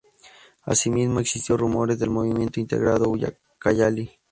Así mismo, existió rumores del movimiento "Integrando Ucayali".